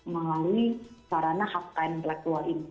melalui sarana hak kain intelektual ini